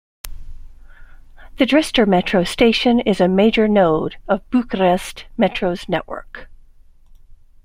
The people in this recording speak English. The Dristor metro station is a major node of Bucharest Metro's network.